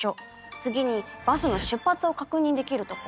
次にバスの出発を確認できる所。